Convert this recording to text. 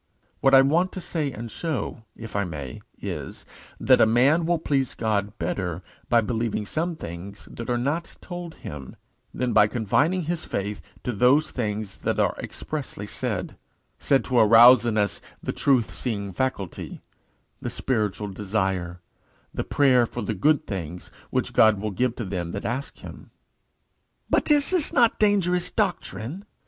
What I want to say and show, if I may, is, that a man will please God better by believing some things that are not told him, than by confining his faith to those things that are expressly said said to arouse in us the truth seeing faculty, the spiritual desire, the prayer for the good things which God will give to them that ask him. "But is not this dangerous doctrine?